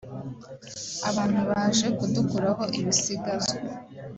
abantu baje kudukuraho ibisigazwa